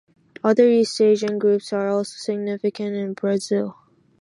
Other East Asian groups are also significant in Brazil.